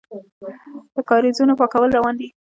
د کاریزونو پاکول روان دي؟